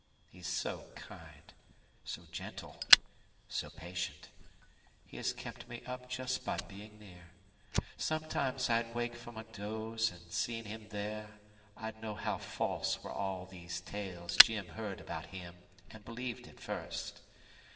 He's so kind, so gentle, so patient. He has kept me up just by being near. Sometimes I'd wake from a doze, an', seeing him there, I'd know how false were all these tales Jim heard about him and believed at first.